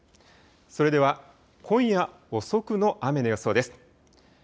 それでは今夜遅くの雨の予想です。